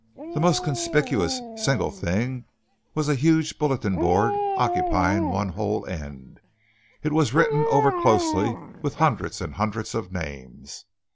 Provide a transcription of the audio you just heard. The most conspicuous single thing was a huge bulletin board occupying one whole end. It was written over closely with hundreds and hundreds of names.